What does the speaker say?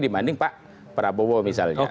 dibanding pak prabowo misalnya